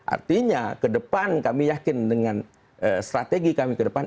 artinya ke depan kami yakin dengan strategi kami ke depan